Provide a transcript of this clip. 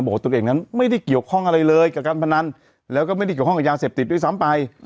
ตนเองนั้นไม่ได้เกี่ยวข้องอะไรเลยกับการพนันแล้วก็ไม่ได้เกี่ยวข้องกับยาเสพติดด้วยซ้ำไป